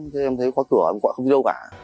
thế em thấy khóa cửa em gọi không đi đâu cả